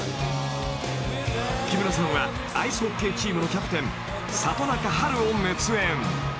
［木村さんはアイスホッケーチームのキャプテン里中ハルを熱演］